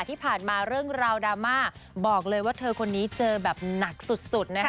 ที่ผ่านมาเรื่องราวดราม่าบอกเลยว่าเธอคนนี้เจอแบบหนักสุดนะคะ